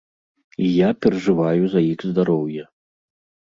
І я перажываю за іх здароўе.